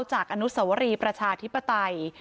อนุสวรีประชาธิปไตย